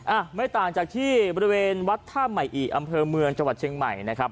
อ่ะไม่ต่างจากที่บริเวณวัดท่าใหม่อิอำเภอเมืองจังหวัดเชียงใหม่นะครับ